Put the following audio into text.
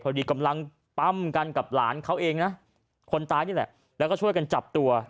พอดีกำลังปั๊มกันกับหลานเขาเองนะคนตายนี่แหละแล้วก็ช่วยกันจับตัว